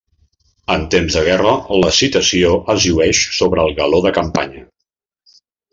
En temps de guerra la citació es llueix sobre el galó de campanya.